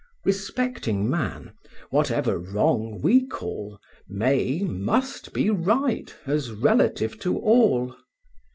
Respecting man, whatever wrong we call, May, must be right, as relative to all.